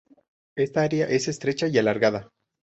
Esta área, es estrecha y alargada.